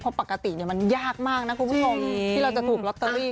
เพราะปกติมันยากมากนะคุณผู้ชมที่เราจะถูกลอตเตอรี่